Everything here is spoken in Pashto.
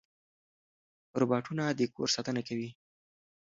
روباټونه د کور ساتنه کوي.